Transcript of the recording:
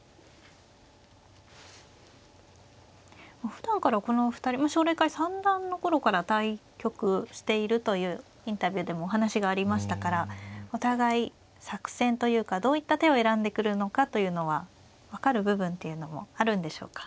ふだんからこのお二人奨励会三段の頃から対局しているというインタビューでもお話がありましたからお互い作戦というかどういった手を選んでくるのかというのは分かる部分っていうのもあるんでしょうか。